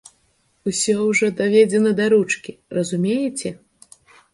Усё ўжо даведзена да ручкі, разумееце.